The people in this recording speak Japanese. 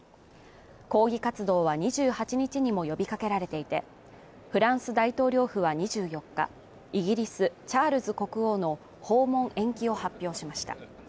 抗議活動は２８日にも呼びかけられていて、フランス大統領府は２４日、イギリス・チャールズ国王の訪問延期を発表しました。